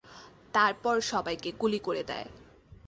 তারপর সবাইকে গুলি করে দেয়।